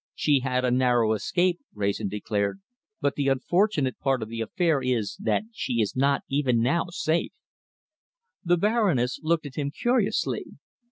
"She had a narrow escape," Wrayson declared, "but the unfortunate part of the affair is, that she is not even now safe!" The Baroness looked at him curiously.